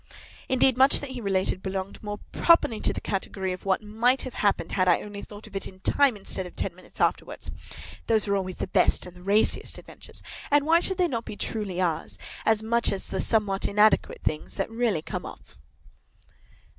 Indeed, much that he related belonged more properly to the category of what might have happened had I only thought of it in time instead of ten minutes afterwards. Those are always the best and the raciest adventures; and why should they not be truly ours, as much as the somewhat inadequate things that really come off?